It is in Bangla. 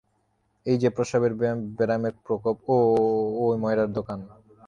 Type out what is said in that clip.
এই যে প্রসাবের ব্যারামের প্রকোপ, ও-ও ঐ ময়রার দোকান।